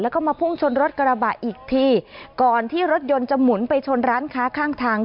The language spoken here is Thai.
แล้วก็มาพุ่งชนรถกระบะอีกทีก่อนที่รถยนต์จะหมุนไปชนร้านค้าข้างทาง